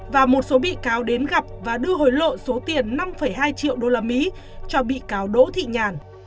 và một số bị cáo đến gặp và đưa hối lộ số tiền năm hai triệu usd cho bị cáo đỗ thị nhàn